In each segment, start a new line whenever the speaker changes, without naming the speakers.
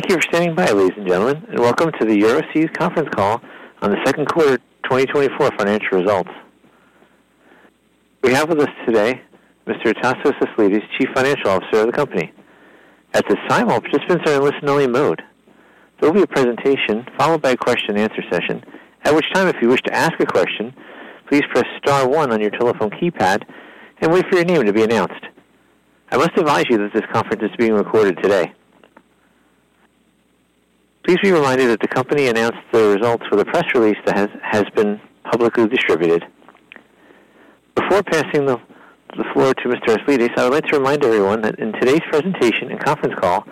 Thank you for standing by, ladies and gentlemen, and welcome to the Euroseas conference call on the second quarter 2024 financial results. We have with us today Mr. Tasos Aslidis, Chief Financial Officer of the company. At this time, all participants are in listen-only mode. There will be a presentation followed by a question and answer session, at which time, if you wish to ask a question, please press star one on your telephone keypad and wait for your name to be announced. I must advise you that this conference is being recorded today. Please be reminded that the company announced the results with a press release that has been publicly distributed. Before passing the floor to Mr. Aslidis, I would like to remind everyone that in today's presentation and conference call,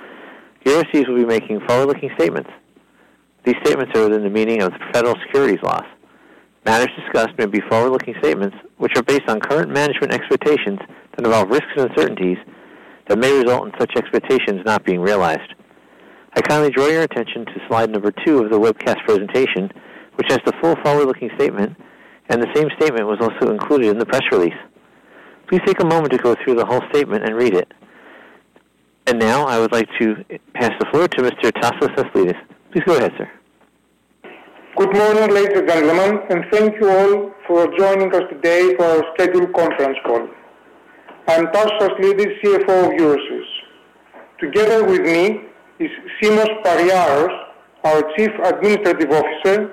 Euroseas will be making forward-looking statements. These statements are within the meaning of the Federal Securities Law. Matters discussed may be forward-looking statements, which are based on current management expectations that involve risks and uncertainties that may result in such expectations not being realized. I kindly draw your attention to slide number two of the webcast presentation, which has the full forward-looking statement, and the same statement was also included in the press release. Please take a moment to go through the whole statement and read it. Now, I would like to pass the floor to Mr. Tasos Aslidis. Please go ahead, sir.
Good morning, ladies and gentlemen, and thank you all for joining us today for our scheduled conference call. I'm Tasos Aslidis, CFO of Euroseas. Together with me is Symeon Pariaros, our Chief Administrative Officer.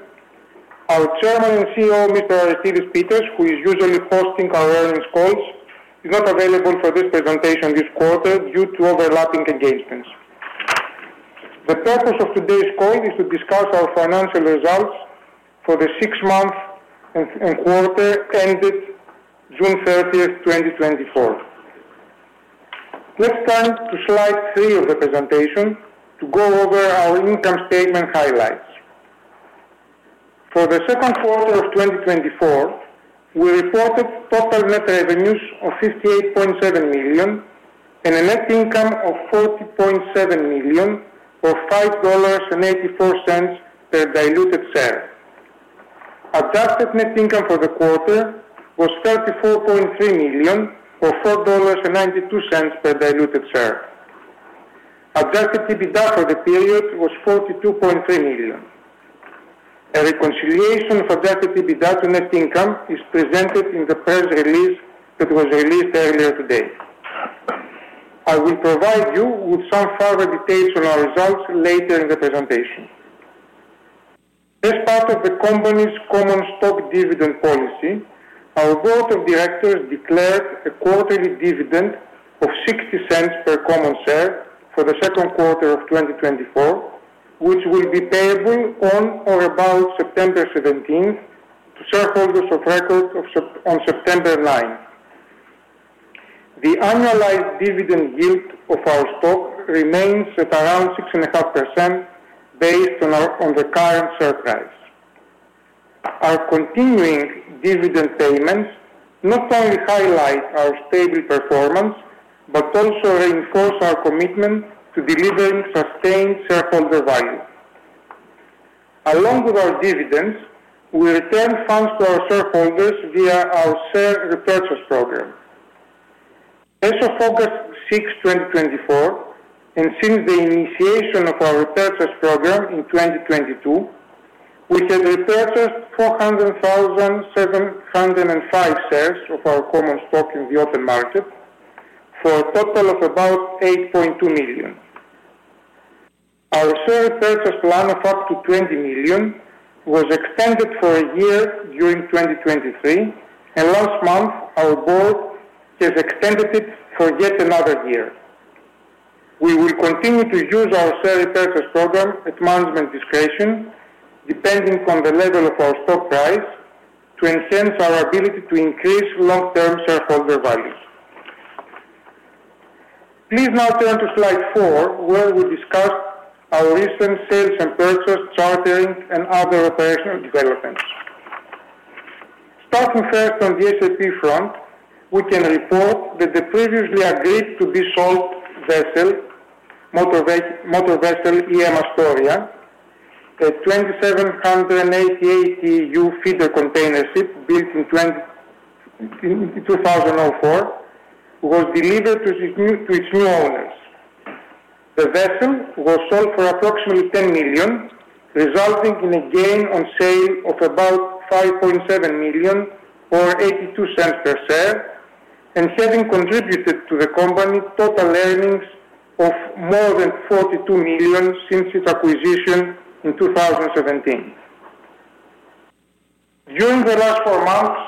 Our Chairman and CEO, Mr. Aristides Pittas, who is usually hosting our earnings calls, is not available for this presentation this quarter due to overlapping engagements. The purpose of today's call is to discuss our financial results for the six months and quarter ended June thirtieth, 2024. Let's turn to slide three of the presentation to go over our income statement highlights. For the second quarter of 2024, we reported total net revenues of $58.7 million and a net income of $40.7 million, or $5.84 per diluted share. Adjusted net income for the quarter was $34.3 million, or $4.92 per diluted share. Adjusted EBITDA for the period was $42.3 million. A reconciliation of adjusted EBITDA to net income is presented in the press release that was released earlier today. I will provide you with some further details on our results later in the presentation. As part of the company's common stock dividend policy, our board of directors declared a quarterly dividend of $0.60 per common share for the second quarter of 2024, which will be payable on or about September seventeenth to shareholders of record on September ninth. The annualized dividend yield of our stock remains at around 6.5% based on the current share price. Our continuing dividend payments not only highlight our stable performance, but also reinforce our commitment to delivering sustained shareholder value. Along with our dividends, we return funds to our shareholders via our share repurchase program. As of August 6, 2024, and since the initiation of our repurchase program in 2022, we have repurchased 400,705 shares of our common stock in the open market for a total of about $8.2 million. Our share repurchase plan of up to 20 million was extended for a year during 2023, and last month, our board has extended it for yet another year. We will continue to use our share repurchase program at management discretion, depending on the level of our stock price, to enhance our ability to increase long-term shareholder values. Please now turn to slide four, where we discuss our recent sales and purchase, chartering, and other operational developments. Starting first on the S&P front, we can report that the previously agreed to be sold vessel, motor vessel EM Astoria, a 2,788 TEU feeder container ship built in 2004, was delivered to its new owners. The vessel was sold for approximately $10 million, resulting in a gain on sale of about $5.7 million, or $0.82 per share, and having contributed to the company total earnings of more than $42 million since its acquisition in 2017. During the last four months,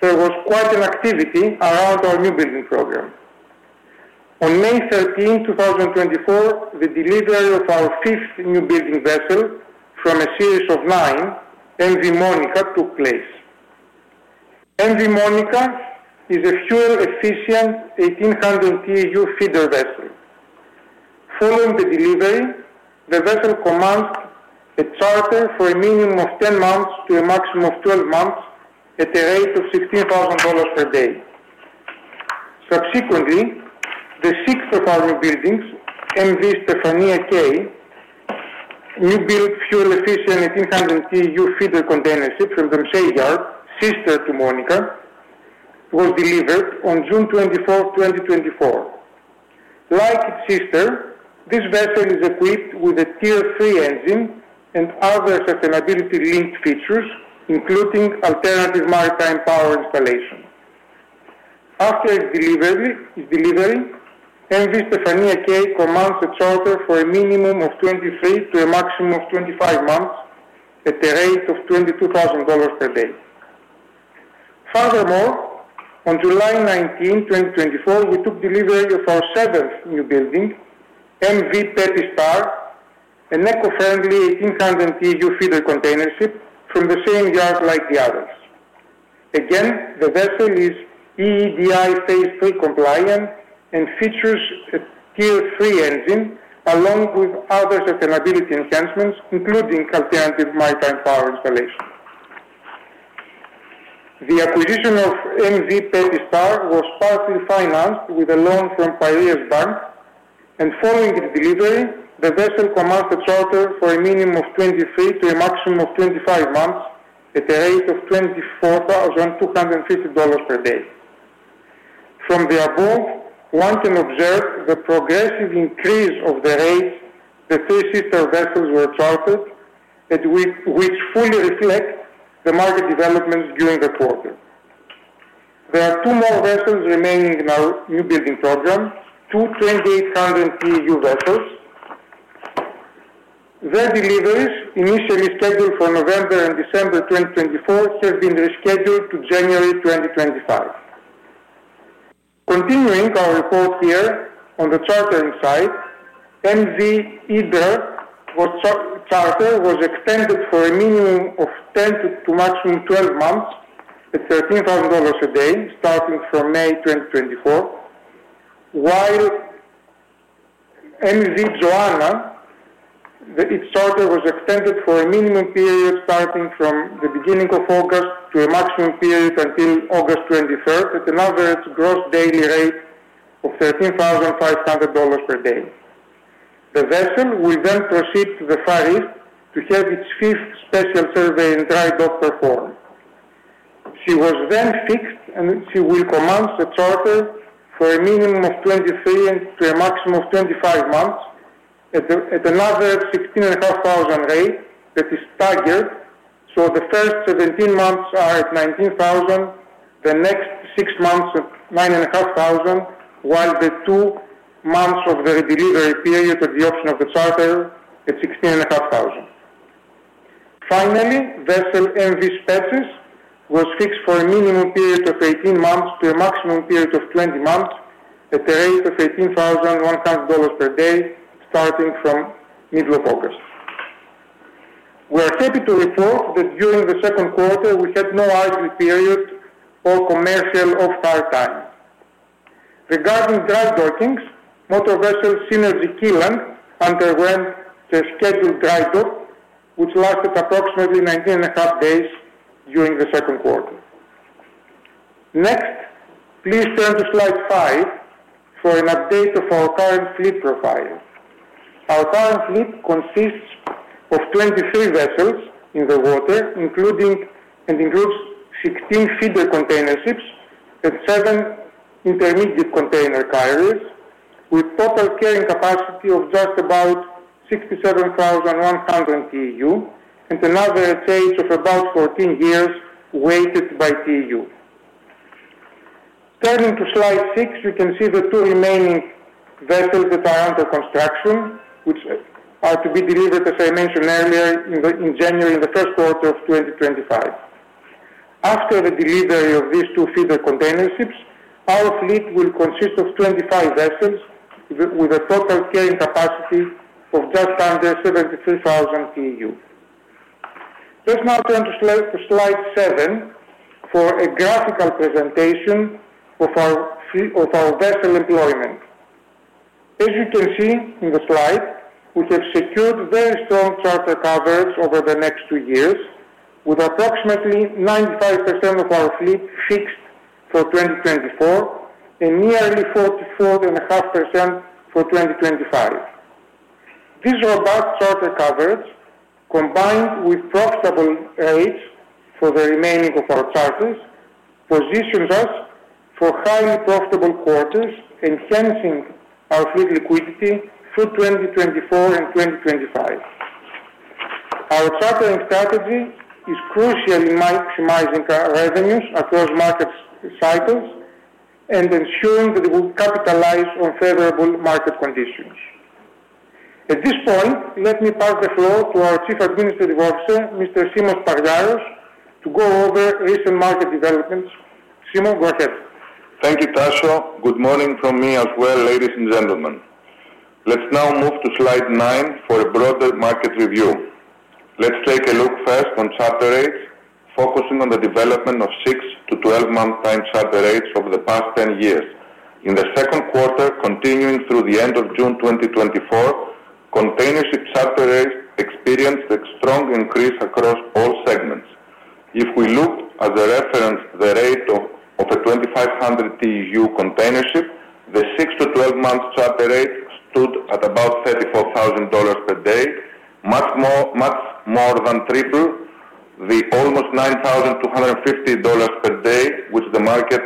there was quite an activity around our newbuilding program. On May 13, 2024, the delivery of our 5th newbuilding vessel from a series of nine, M/V Monica, took place. M/V Monica is a fuel-efficient 1,800 TEU feeder vessel. Following the delivery, the vessel commands a charter for a minimum of 10 months to a maximum of 12 months at a rate of $16,000 per day. Subsequently, the 6th of our newbuildings, M/V Stephania K, newbuilding fuel-efficient 1,800 TEU feeder container ship from the shipyard, sister to Monica, was delivered on June 24th, 2024. Like its sister, this vessel is equipped with a Tier III engine and other sustainability-linked features, including alternative maritime power installation. After its delivery, M/V Stephania K commands a charter for a minimum of 23 to a maximum of 25 months at a rate of $22,000 per day. Furthermore, on July 19, 2024, we took delivery of our seventh newbuilding, M/V Pepi Star, an eco-friendly 1,800 TEU feeder containership from the same yard like the others. Again, the vessel is EEDI Phase III compliant and features a Tier III engine, along with other sustainability enhancements, including alternative maritime power installation. The acquisition of M/V Pepi Star was partly financed with a loan from Piraeus Bank, and following its delivery, the vessel commands a charter for a minimum of 23 months-25 months at a rate of $24,250 per day. From the above, one can observe the progressive increase of the rates the three sister vessels were chartered that fully reflect the market developments during the quarter. There are two more vessels remaining in our newbuilding program, two 2,800 TEU vessels. Their deliveries, initially scheduled for November and December 2024, have been rescheduled to January 2025. Continuing our report here on the chartering side, M/V EM Hydra charter was extended for a minimum of 10 to maximum 12 months at $13,000 a day, starting from May 2024, while M/V Joanna, its charter was extended for a minimum period starting from the beginning of August to a maximum period until August 23rd, at an average gross daily rate of $13,500 per day. The vessel will then proceed to the Far East to have its fifth special survey and dry dock performed. She was then fixed, and she will commence the charter for a minimum of 23 and to a maximum of 25 months at another $16,500 rate that is staggered. So the first 17 months are at $19,000, the next six months at $9,500, while the two months of the redelivery period of the option of the charter at $16,500. Finally, M/V EM Spetses was fixed for a minimum period of 18 months to a maximum period of 20 months at a rate of $18,100 per day, starting from middle of August. We are happy to report that during the second quarter, we had no idle period or commercial off-hire time. Regarding dry dockings, M/V Synergy Keelung underwent a scheduled dry dock, which lasted approximately 19.5 days during the second quarter. Next, please turn to slide five for an update of our current fleet profile. Our current fleet consists of 23 vessels in the water, including, and includes 16 feeder container ships and seven intermediate container carriers, with total carrying capacity of just about 67,100 TEU and an average age of about 14 years, weighted by TEU. Turning to slide six, you can see the two remaining vessels that are under construction, which are to be delivered, as I mentioned earlier, in January, in the first quarter of 2025. After the delivery of these two feeder container ships, our fleet will consist of 25 vessels with a total carrying capacity of just under 73,000 TEU. Let's now turn to slide seven for a graphical presentation of our fleet, of our vessel employment. As you can see in the slide, we have secured very strong charter coverage over the next two years, with approximately 95% of our fleet fixed for 2024 and nearly 44.5% for 2025. This robust charter coverage, combined with profitable rates for the remaining of our charters, positions us for highly profitable quarters, enhancing our fleet liquidity through 2024 and 2025. Our chartering strategy is crucial in maximizing our revenues across market cycles and ensuring that we capitalize on favorable market conditions. At this point, let me pass the floor to our Chief Administrative Officer, Mr. Symeon Pariaros, to go over recent market developments. Symos, go ahead.
Thank you, Taso. Good morning from me as well, ladies and gentlemen. Let's now move to slide nine for a broader market review. Let's take a look first on charter rates, focusing on the development of 6-months-12-month time charter rates over the past 10 years. In the second quarter, continuing through the end of June 2024, container ship charter rates experienced a strong increase across all segments. If we look at the reference, the rate of a 2,500 TEU container ship, the 6- months-12-month charter rate stood at about $34,000 per day, much more, much more than triple the almost $9,250 per day, which the market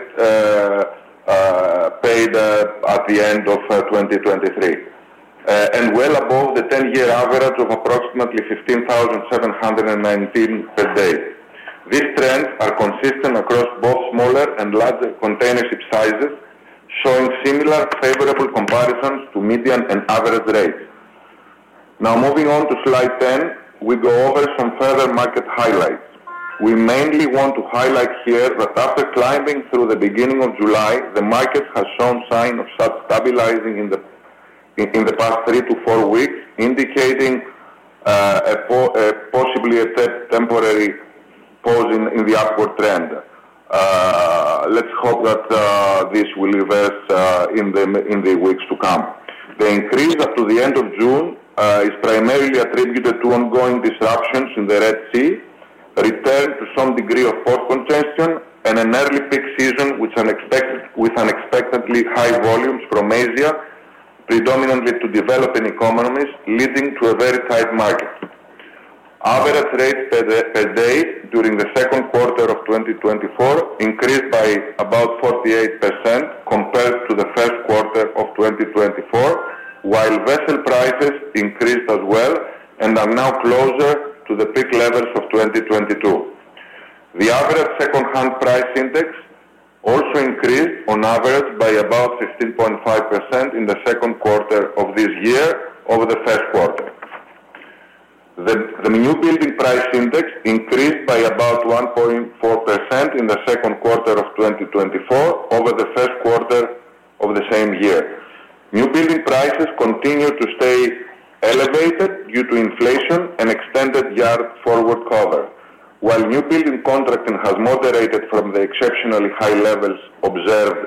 paid at the end of 2023, and well above the 10-year average of approximately $15,719 per day. These trends are consistent across both smaller and larger container ship sizes, showing similar favorable comparisons to median and average rates. Now, moving on to Slide 10, we go over some further market highlights. We mainly want to highlight here that after climbing through the beginning of July, the market has shown signs of stabilizing in the past three to four weeks, indicating a possibly temporary pause in the upward trend. Let's hope that this will reverse in the midst of the weeks to come. The increase up to the end of June is primarily attributed to ongoing disruptions in the Red Sea, return to some degree of port congestion, and an early peak season, with unexpectedly high volumes from Asia, predominantly to developing economies, leading to a very tight market. Average rates per day during the second quarter of 2024 increased by about 48% compared to the first quarter of 2024, while vessel prices increased as well and are now closer to the peak levels of 2022. The average second-hand price index also increased on average by about 16.5% in the second quarter of this year over the first quarter. The newbuilding price index increased by about 1.4% in the second quarter of 2024 over the first quarter of the same year. New building prices continue to stay elevated due to inflation and extended yard forward cover. While newbuilding contracting has moderated from the exceptionally high levels observed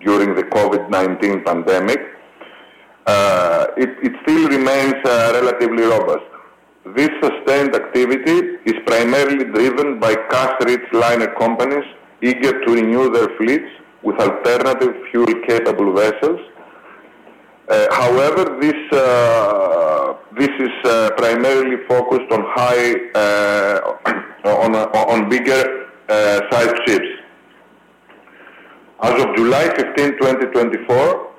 during the COVID-19 pandemic, it still remains relatively robust. This sustained activity is primarily driven by cash-rich liner companies eager to renew their fleets with alternative fuel-capable vessels. However, this is primarily focused on bigger size ships. As of July 15, 2024,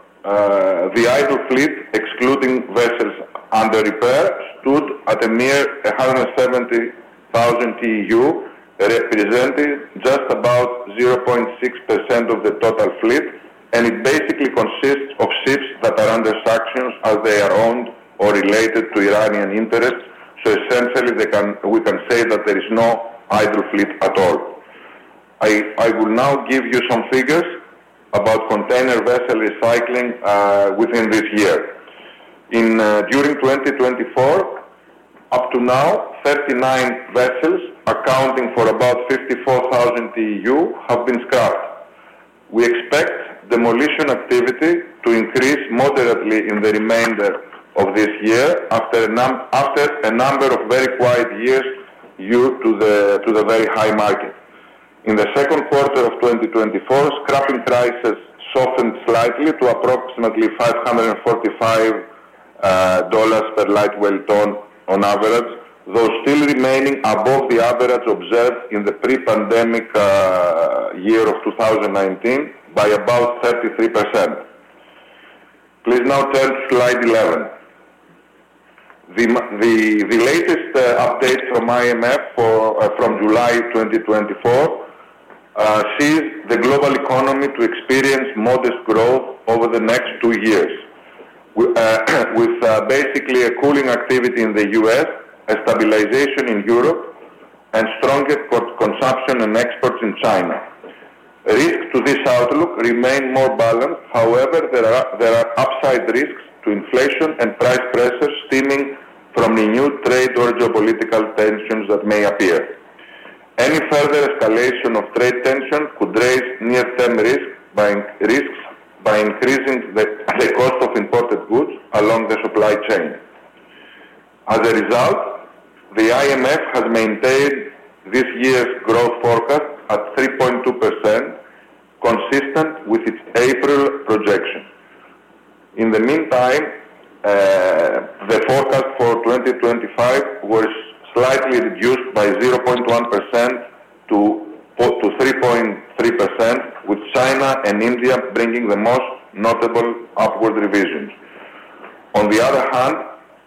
the idle fleet, excluding vessels under repair, stood at a mere 170,000 TEU, representing just about 0.6% of the total fleet, and it basically consists of ships that are under sanctions as they are owned or related to Iranian interests. So essentially, we can say that there is no idle fleet at all. I will now give you some figures about container vessel recycling within this year. In 2024, up to now, 39 vessels, accounting for about 54,000 TEU, have been scrapped. We expect demolition activity to increase moderately in the remainder of this year after a number of very quiet years due to the very high market. In the second quarter of 2024, scrapping prices softened slightly to approximately $545 per lightweight ton on average, though still remaining above the average observed in the pre-pandemic year of 2019 by about 33%. Please now turn to Slide 11. The latest update from IMF for July 2024 sees the global economy to experience modest growth over the next two years, with basically a cooling activity in the U.S., a stabilization in Europe, and stronger port consumption and exports in China. Risks to this outlook remain more balanced. However, there are upside risks to inflation and price pressures stemming from renewed trade or geopolitical tensions that may appear. Any further escalation of trade tension could raise near-term risks by increasing the cost of imported goods along the supply chain. As a result, the IMF has maintained this year's growth forecast at 3.2%, consistent with its April projection. In the meantime, the forecast for 2025 was slightly reduced by 0.1%-3.3%, with China and India bringing the most notable upward revisions. On the other hand,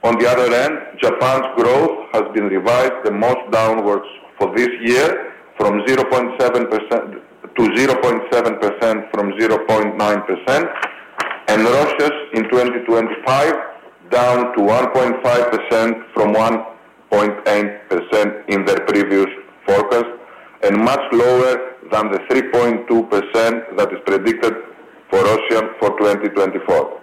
on the other end, Japan's growth has been revised the most downwards for this year, from 0.7%-0.7% from 0.9%, and Russia's in 2025, down to 1.5% from 1.8% in their previous forecast, and much lower than the 3.2% that is predicted for Russia for 2024.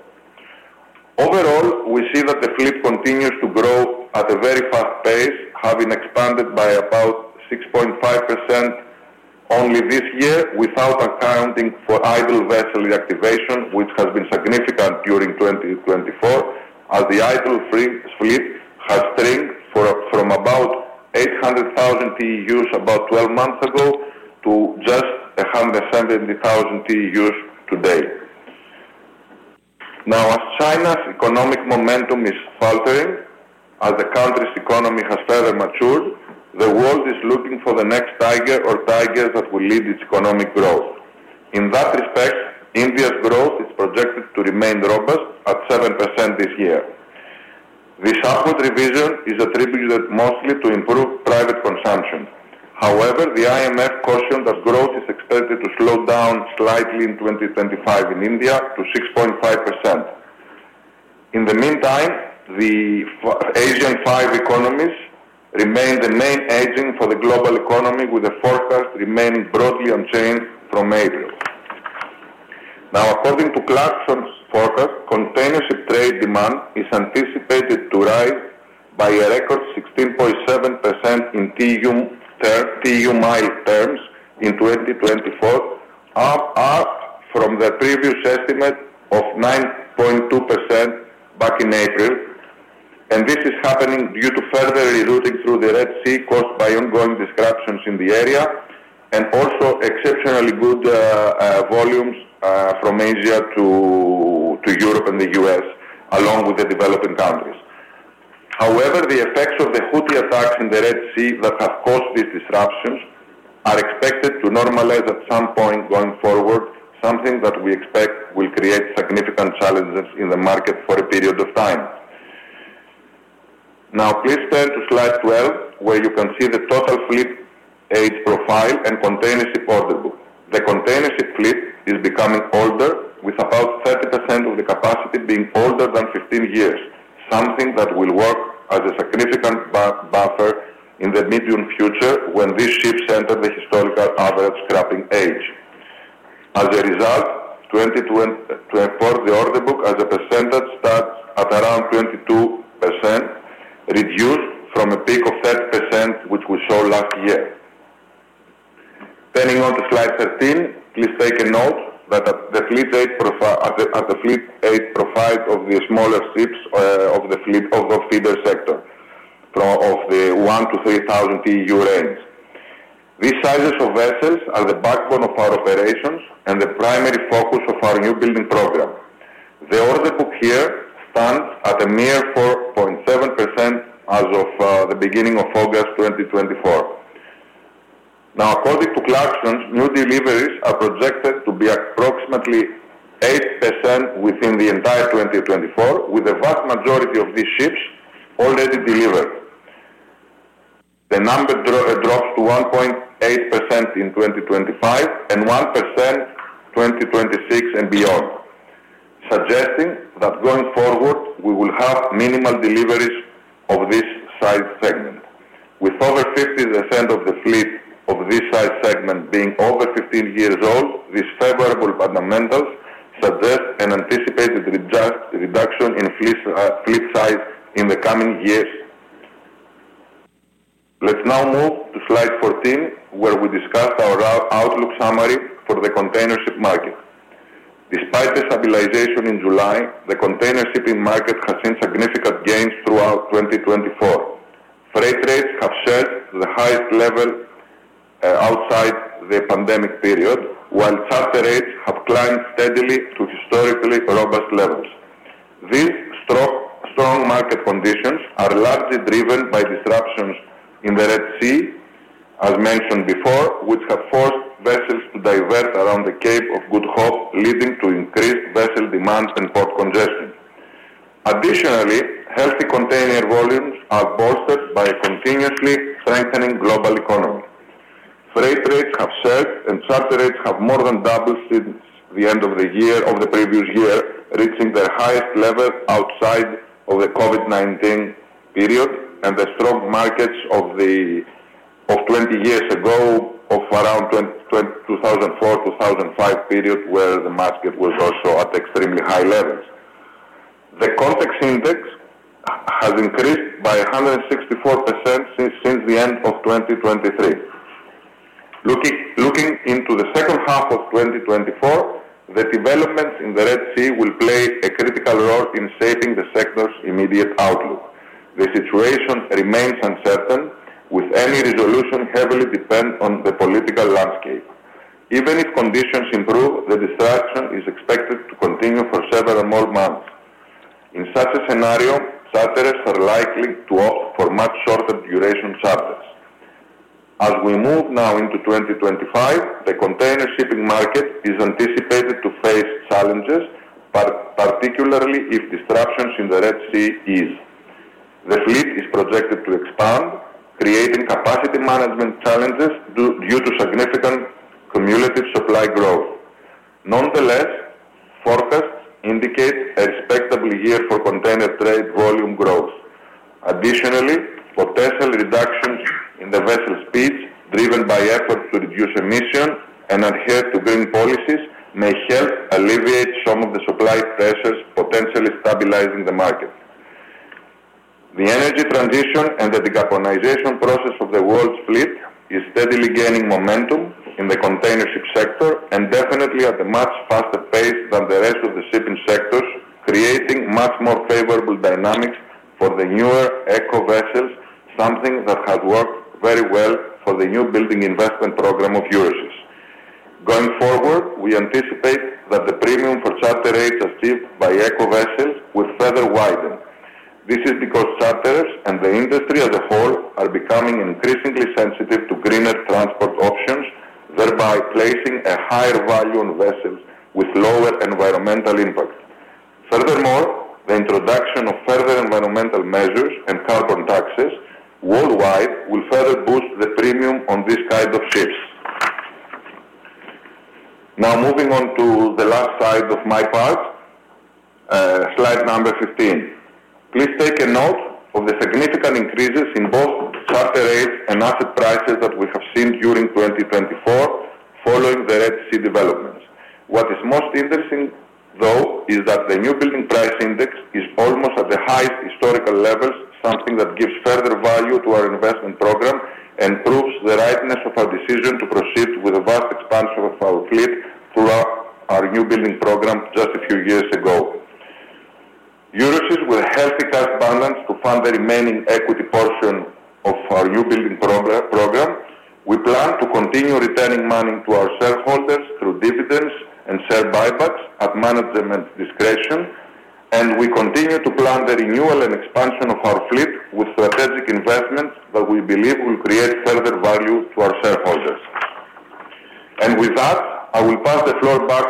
Overall, we see that the fleet continues to grow at a very fast pace, having expanded by about 6.5% only this year, without accounting for idle vessel reactivation, which has been significant during 2024, as the idle fleet has shrunk from about 800,000 TEUs about 12 months ago to just 170,000 TEUs today. Now, as China's economic momentum is faltering, as the country's economy has further matured, the world is looking for the next tiger or tigers that will lead its economic growth. In that respect, India's growth is projected to remain robust at 7% this year. This upward revision is attributed mostly to improved private consumption. However, the IMF cautioned that growth is expected to slow down slightly in 2025 in India to 6.5%. In the meantime, the ASEAN-5 economies remain the main engine for the global economy, with the forecast remaining broadly unchanged from April. Now, according to Clarksons forecast, container ship trade demand is anticipated to rise by a record 16.7% in TEU term, TEU mile terms in 2024, up from the previous estimate of 9.2% back in April. This is happening due to further rerouting through the Red Sea, caused by ongoing disruptions in the area, and also exceptionally good volumes from Asia to Europe and the US, along with the developing countries. However, the effects of the Houthi attacks in the Red Sea that have caused these disruptions are expected to normalize at some point going forward, something that we expect will create significant challenges in the market for a period of time. Now, please turn to Slide 12, where you can see the total fleet age profile and container ship order book. The container ship fleet is becoming older, with about 30% of the capacity being older than 15 years, something that will work as a significant buffer in the medium future when these ships enter the historical average scrapping age. As a result, 2024, the order book as a percentage starts at around 22%, reduced from a peak of 30%, which we saw last year. Turning on to Slide 13, please take a note that the fleet age profile of the smaller ships, of the fleet, of the feeder sector, of the 1-3,000 TEU range. These sizes of vessels are the backbone of our operations and the primary focus of our newbuilding program. The order book here stands at a mere 4.7% as of the beginning of August 2024. Now, according to Clarksons, new deliveries are projected to be approximately 8% within the entire 2024, with the vast majority of these ships already delivered. The number drops to 1.8% in 2025 and 1% in 2026 and beyond, suggesting that going forward, we will have minimal deliveries of this size segment. With over 50% of the fleet of this size segment being over 15 years old, these favorable fundamentals suggest an anticipated reduction in fleet size in the coming years. Let's now move to Slide 14, where we discuss our outlook summary for the container ship market. Despite the stabilization in July, the container shipping market has seen significant gains throughout 2024. Freight rates have surged to the highest level outside the pandemic period, while charter rates have climbed steadily to historically robust levels. These strong market conditions are largely driven by disruptions in the Red Sea, as mentioned before, which have forced vessels to divert around the Cape of Good Hope, leading to increased vessel demands and port congestion. Additionally, healthy container volumes are boosted by a continuously strengthening global economy. Freight rates have surged, and charter rates have more than doubled since the end of the year, of the previous year, reaching their highest levels outside of the COVID-19 period and the strong markets of the, of 20 years ago, of around 2004, 2005 period, where the market was also at extremely high levels. The ConText index has increased by 164% since, since the end of 2023. Looking into the second half of 2024, the developments in the Red Sea will play a critical role in shaping the sector's immediate outlook. The situation remains uncertain, with any resolution heavily depend on the political landscape. Even if conditions improve, the disruption is expected to continue for several more months. In such a scenario, charterers are likely to opt for much shorter duration charters. As we move now into 2025, the container shipping market is anticipated to face challenges, particularly if disruptions in the Red Sea ease. The fleet is projected to expand, creating capacity management challenges due to significant cumulative supply growth. Nonetheless, forecasts indicate a respectable year for container trade volume growth. Additionally, potential reductions in the vessel speeds, driven by efforts to reduce emission and adhere to green policies, may help alleviate some of the supply pressures, potentially stabilizing the market. The energy transition and the decarbonization process of the world's fleet is steadily gaining momentum in the containership sector, and definitely at a much faster pace than the rest of the shipping sectors, creating much more favorable dynamics for the newer eco vessels, something that has worked very well for the newbuilding investment program of Euroseas. Going forward, we anticipate that the premium for charter rates achieved by eco vessels will further widen. This is because charterers and the industry as a whole are becoming increasingly sensitive to greener transport options, thereby placing a higher value on vessels with lower environmental impact. Furthermore, the introduction of further environmental measures and carbon taxes worldwide will further boost the premium on these kind of ships. Now, moving on to the last slide of my part, Slide number 15. Please take note of the significant increases in both charter rates and asset prices that we have seen during 2024, following the Red Sea developments. What is most interesting, though, is that the newbuilding price index is almost at the highest historical levels, something that gives further value to our investment program and proves the rightness of our decision to proceed with a vast expansion of our fleet throughout our newbuilding program just a few years ago. Euroseas, with healthy cash balance to fund the remaining equity portion of our newbuilding program, we plan to continue returning money to our shareholders through dividends and share buybacks at management's discretion, and we continue to plan the renewal and expansion of our fleet with strategic investments that we believe will create further value to our shareholders. With that, I will pass the floor back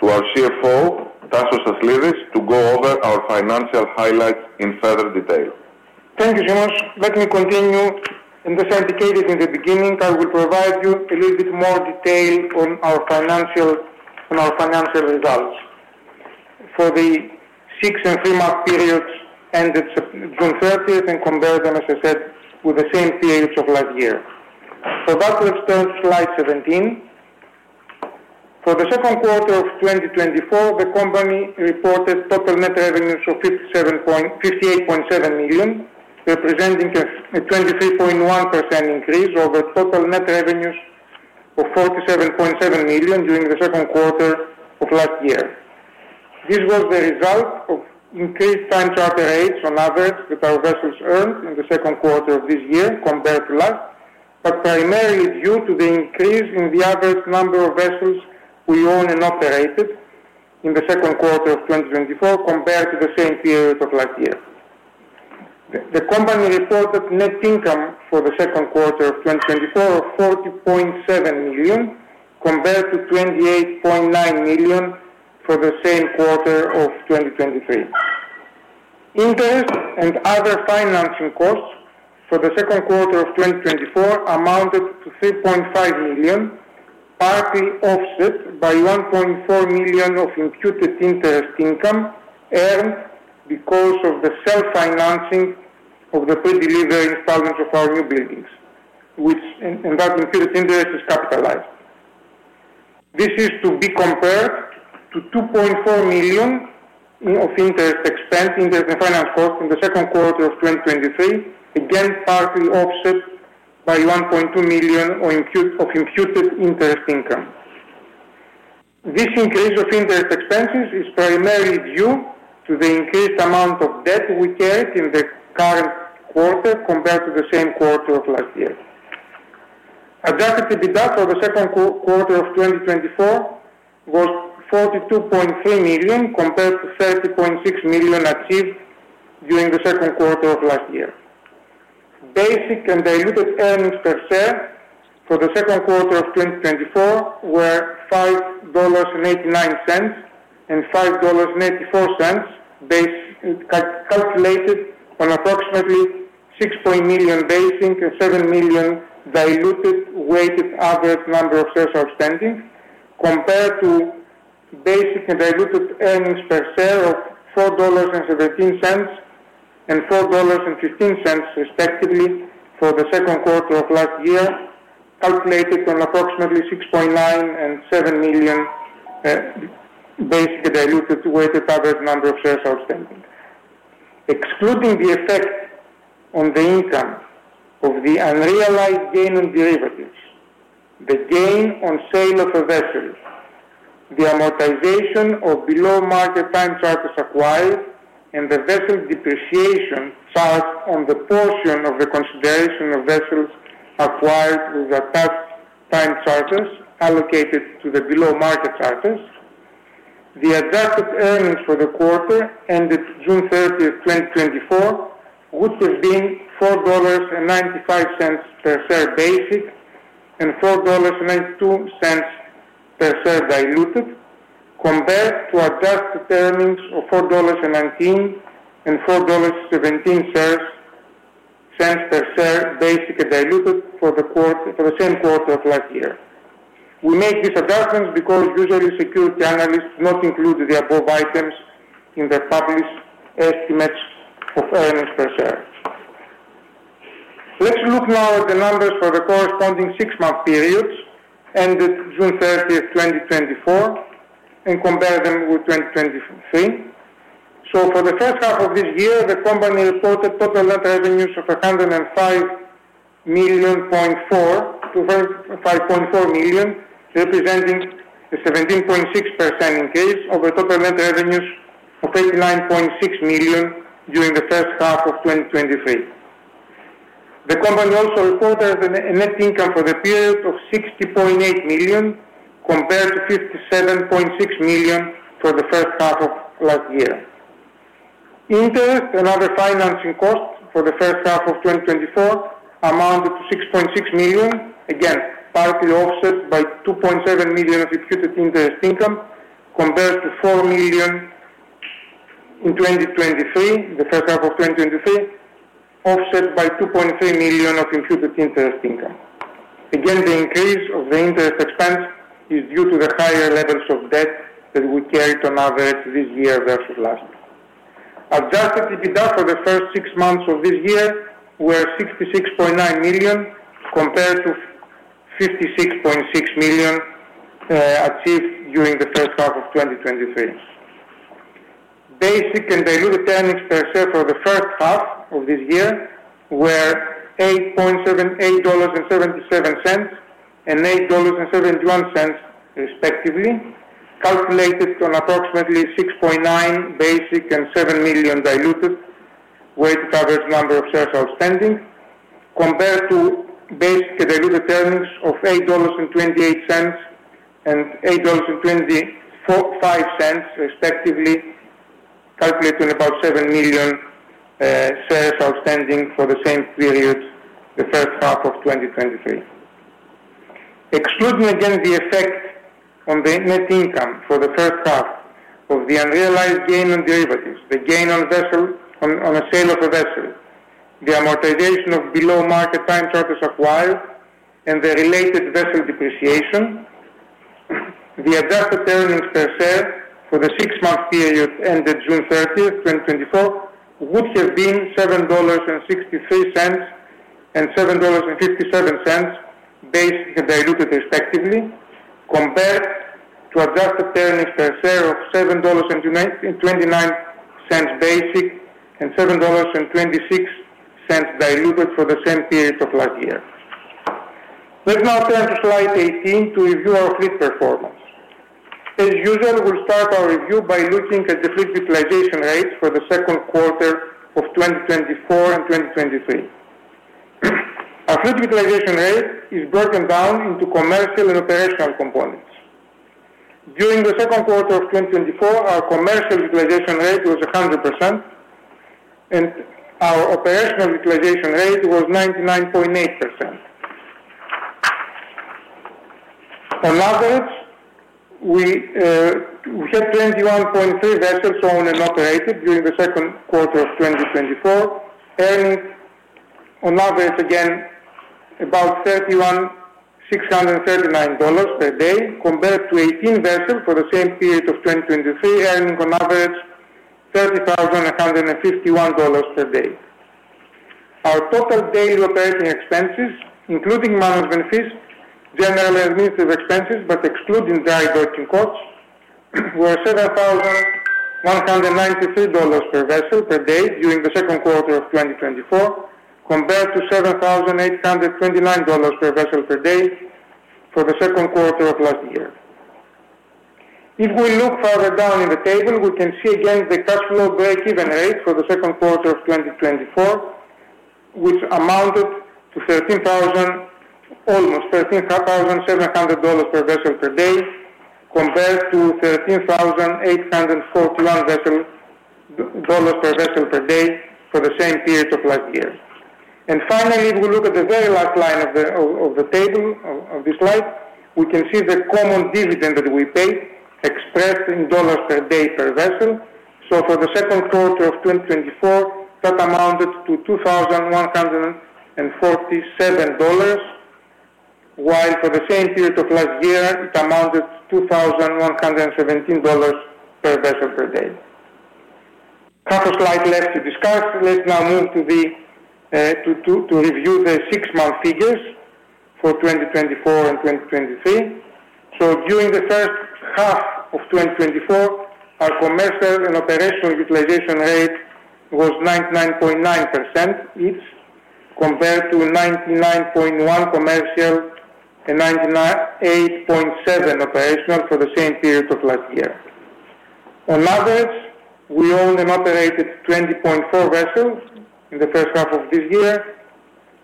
to our CFO, Tasos Aslidis, to go over our financial highlights in further detail.
Thank you, Symeon. Let me continue, and as I indicated in the beginning, I will provide you a little bit more detail on our financial results for the 6- and 3-month periods ended June 30, and compare them, as I said, with the same periods of last year. So that refers to Slide 17. For the second quarter of 2024, the company reported total net revenues of $58.7 million, representing a 23.1% increase over total net revenues of $47.7 million during the second quarter of last year. This was the result of increased time charter rates on average that our vessels earned in the second quarter of this year compared to last, but primarily due to the increase in the average number of vessels we owned and operated in the second quarter of 2024 compared to the same period of last year. The company reported net income for the second quarter of 2024 of $40.7 million, compared to $28.9 million for the same quarter of 2023. Interest and other financing costs for the second quarter of 2024 amounted to $3.5 million, partly offset by $1.4 million of imputed interest income earned because of the self-financing of the pre-delivery installments of our newbuildings, which, and that imputed interest is capitalized. This is to be compared to $2.4 million of interest expense, interest and finance costs in the second quarter of 2023, again, partly offset by $1.2 million of imputed interest income. This increase of interest expenses is primarily due to the increased amount of debt we carried in the current quarter compared to the same quarter of last year. Adjusted EBITDA for the second quarter of 2024 was $42.3 million, compared to $30.6 million achieved during the second quarter of last year. Basic and diluted earnings per share for the second quarter of 2024 were $5.89 and $5.84, calculated on approximately $6 million basic and $7 million diluted weighted average number of shares outstanding, compared to basic and diluted earnings per share of $4.17 and $4.15, respectively, for the second quarter of last year, calculated on approximately $6.9 million and $7 million basic and diluted weighted average number of shares outstanding. Excluding the effect on the income of the unrealized gain on derivatives, the gain on sale of a vessel, the amortization of below market time charters acquired, and the vessel depreciation charged on the portion of the consideration of vessels acquired with attached time charters allocated to the below market charters. The adjusted earnings for the quarter ended June 30th, 2024, would have been $4.95 per share basic, and $4.92 per share diluted, compared to adjusted earnings of $4.19, and $4.17 cents per share, basic and diluted for the same quarter of last year. We make these adjustments because usually security analysts not include the above items in their published estimates of earnings per share. Let's look now at the numbers for the corresponding six-month periods, ended June 30th, 2024, and compare them with 2023. So for the first half of this year, the company reported total net revenues of $105.4 million-$5.4 million, representing a 17.6% increase over total net revenues of $89.6 million during the first half of 2023. The company also reported a net income for the period of $60.8 million, compared to $57.6 million for the first half of last year. Interest and other financing costs for the first half of 2024 amounted to $6.6 million, again, partly offset by $2.7 million of imputed interest income, compared to $4 million in 2023, the first half of 2023, offset by $2.3 million of imputed interest income. Again, the increase of the interest expense is due to the higher levels of debt that we carried on average this year versus last year. Adjusted EBITDA for the first six months of this year were $66.9 million, compared to $56.6 million achieved during the first half of 2023. Basic and diluted earnings per share for the first half of this year were $8.78 and $8.71 respectively, calculated on approximately 6.9 million basic and 7 million diluted weighted average number of shares outstanding, compared to basic and diluted earnings of $8.28 and $8.245 respectively, calculated on about 7 million shares outstanding for the same period, the first half of 2023. Excluding again, the effect on the net income for the first half of the unrealized gain on derivatives, the gain on the sale of a vessel, the amortization of below-market time charters acquired and the related vessel depreciation, the adjusted earnings per share for the six-month period ended June 30th, 2024, would have been $7.63 and $7.57, basic and diluted respectively, compared to adjusted earnings per share of $7.29 basic and $7.26 diluted for the same period of last year. Let's now turn to Slide 18 to review our fleet performance. As usual, we'll start our review by looking at the fleet utilization rate for the second quarter of 2024 and 2023. Our fleet utilization rate is broken down into commercial and operational components. During the second quarter of 2024, our commercial utilization rate was 100%, and our operational utilization rate was 99.8%. On average, we, we had 21.3 vessels owned and operated during the second quarter of 2024, earning on average, again, about $31,639 per day, compared to 18 vessels for the same period of 2023, earning on average $30,151 per day. Our total daily operating expenses, including management fees, general administrative expenses, but excluding dry docking costs, were $7,193 per vessel per day during the second quarter of 2024, compared to $7,829 per vessel per day for the second quarter of last year. If we look further down in the table, we can see again the cash flow break-even rate for the second quarter of 2024, which amounted to almost $13,700 per vessel per day, compared to $13,841 per vessel per day for the same period of last year. Finally, if we look at the very last line of the table of this slide, we can see the common dividend that we paid, expressed in dollars per day per vessel. So for the second quarter of 2024, that amounted to $2,147, while for the same period of last year, it amounted to $2,117 per vessel per day. Couple of slides left to discuss. Let's now move to review the six-month figures for 2024 and 2023. During the first half of 2024, our commercial and operational utilization rate was 99.9% each, compared to 99.1% commercial and 99.8% operational for the same period of last year. On average, we owned and operated 20.4 vessels in the first half of this year,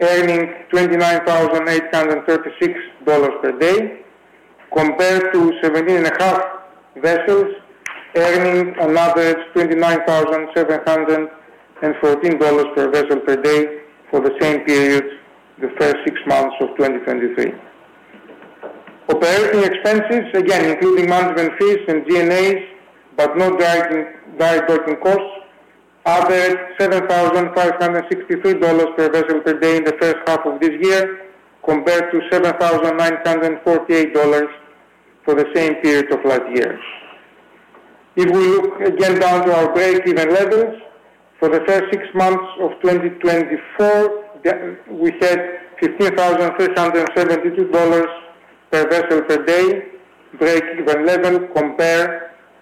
earning $29,836 per day, compared to 17.5 vessels, earning an average $29,714 per vessel per day for the same period, the first six months of 2023. Operating expenses, again, including management fees and GNAs, but no dry docking, dry docking costs, are at $7,563 per vessel per day in the first half of this year, compared to $7,948 for the same period of last year. If we look again down to our breakeven levels, for the first six months of 2024, we had $15,372 per vessel per day breakeven level, compared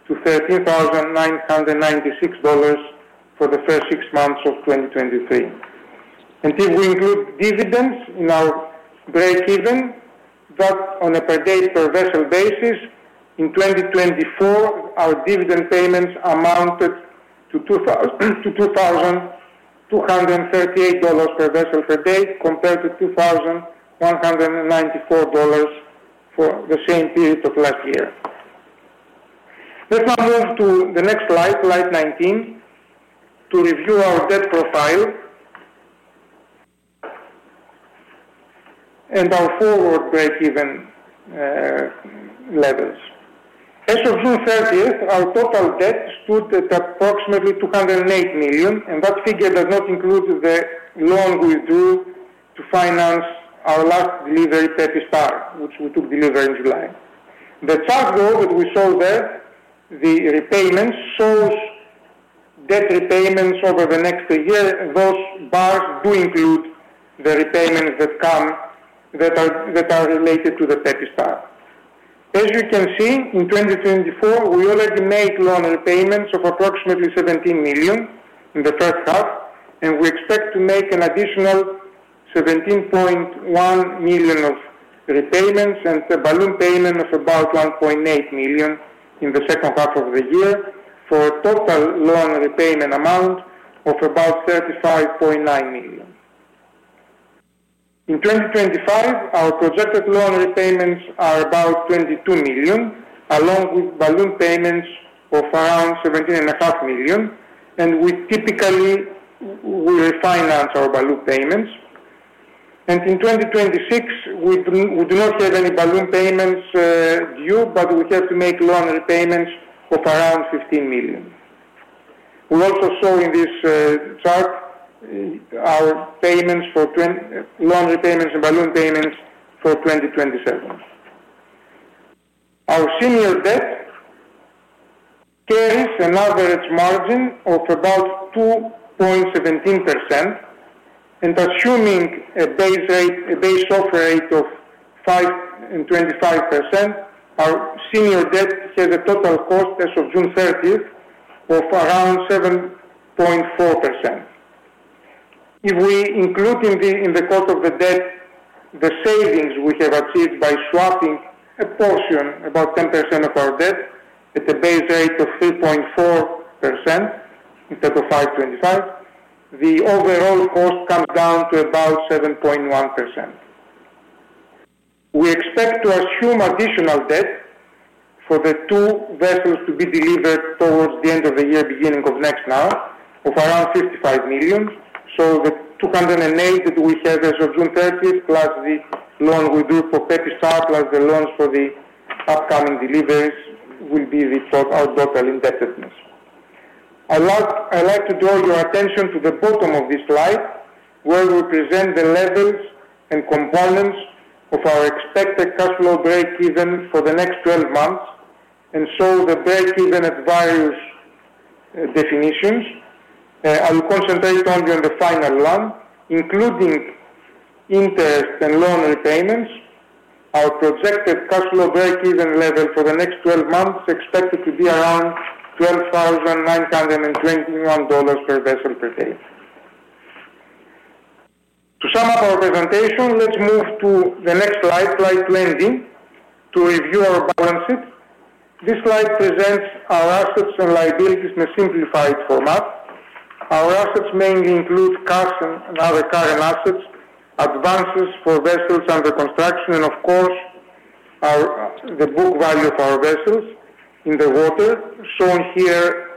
to $13,996 for the first six months of 2023. If we include dividends in our breakeven, that on a per day per vessel basis, in 2024, our dividend payments amounted to $2,238 per vessel per day, compared to $2,194 for the same period of last year. Let's now move to the next slide, Slide 19, to review our debt profile and our forward breakeven levels. As of June thirtieth, our total debt stood at approximately $208 million, and that figure does not include the loan we drew to finance our last delivery, Pepi Star, which we took delivery in July. The chart, though, that we show there, the repayments shows debt repayments over the next year. Those bars do include the repayments that come, that are, that are related to the Pepi Star. As you can see, in 2024, we already made loan repayments of approximately $17 million in the first half, and we expect to make an additional $17.1 million of repayments and a balloon payment of about $1.8 million in the second half of the year, for a total loan repayment amount of about $35.9 million. In 2025, our projected loan repayments are about $22 million, along with balloon payments of around $17.5 million, and we typically, we refinance our balloon payments. In 2026, we do not have any balloon payments due, but we have to make loan repayments of around $15 million. We also show in this chart our payments for loan repayments and balloon payments for 2027. Our senior debt carries an average margin of about 2.17%, and assuming a base rate, a base offer rate of 5.25%, our senior debt has a total cost as of June 30 of around 7.4%. If we include in the cost of the debt, the savings we have achieved by swapping a portion, about 10% of our debt, at a base rate of 3.4% instead of 5.5%, the overall cost comes down to about 7.1%. We expect to assume additional debt for the two vessels to be delivered towards the end of the year, beginning of next now, of around $55 million. So the 208 that we have as of June 30th, + the loan we do for Pepi Star, + the loans for the upcoming deliveries, will be the total, our total indebtedness. I like, I'd like to draw your attention to the bottom of this slide, where we present the levels and components of our expected cash flow break-even for the next 12 months, and so the break-even at various definitions. I will concentrate only on the final one, including interest and loan repayments. Our projected cash flow break-even level for the next 12 months is expected to be around $12,921 per vessel per day. To sum up our presentation, let's move to the next slide, Slide 20, to review our balance sheet. This slide presents our assets and liabilities in a simplified format. Our assets mainly include cash and other current assets, advances for vessels under construction, and of course, the book value of our vessels in the water, shown here.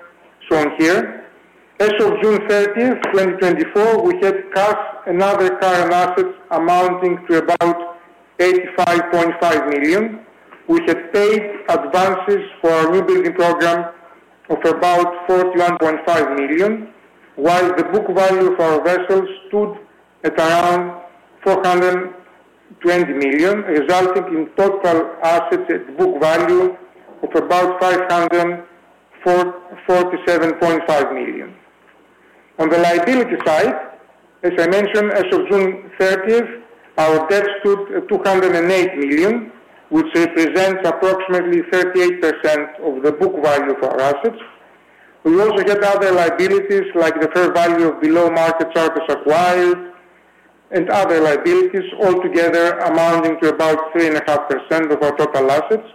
As of June 30th, 2024, we had cash and other current assets amounting to about $85.5 million. We had paid advances for our newbuilding program of about $41.5 million, while the book value of our vessels stood at around $420 million, resulting in total assets at book value of about $547.5 million. On the liability side, as I mentioned, as of June 30th, 2024, our debt stood at $208 million, which represents approximately 38% of the book value of our assets. We also had other liabilities, like the fair value of below market charters acquired and other liabilities, altogether amounting to about 3.5% of our total assets,